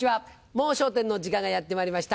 『もう笑点』の時間がやってまいりました。